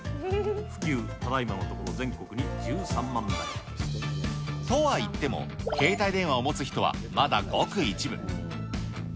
普及、ただいまのところ、とはいっても、携帯電話を持つ人はまだごく一部。